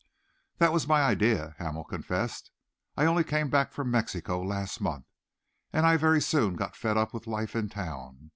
"That was my idea," Hamel confessed. "I only came back from Mexico last month, and I very soon got fed up with life in town.